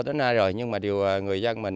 đến nay rồi nhưng mà điều người dân mình